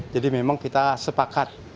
jadi memang kita sepakat